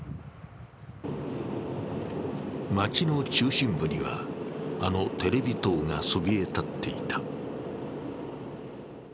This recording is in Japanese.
街の中心部には、あのテレビ塔がそびえ立っていた。